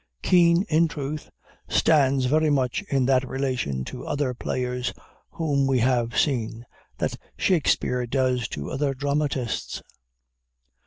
Kean, in truth, stands very much in that relation to other players whom we have seen, that Shakspeare does to other dramatists.